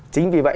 chính vì vậy